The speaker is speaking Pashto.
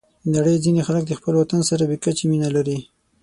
د نړۍ ځینې خلک د خپل وطن سره بې کچې مینه لري.